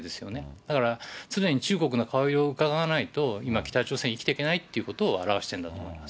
だから常に中国の顔色をうかがわないと、今、北朝鮮は生きていけないということを表してるんだと思います。